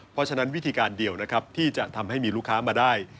เพราะฉะนั้นวิธีการเดียวนะครับที่จะทำให้มีลูกค้ามาได้